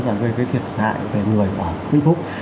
và gây cái thiệt hại về người ở vĩnh phúc